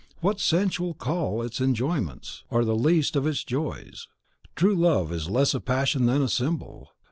What the sensual call its enjoyments, are the least of its joys. True love is less a passion than a symbol.